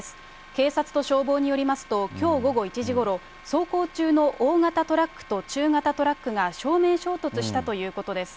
警察と消防によりますと、きょう午後１時ごろ、走行中の大型トラックと中型トラックが正面衝突したということです。